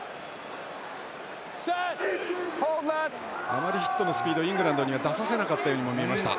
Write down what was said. あまりヒットのスピードはイングランドには出させなかったようにも見えました。